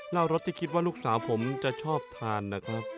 แล้วรสที่คิดว่าลูกสาวผมจะชอบทานนะครับ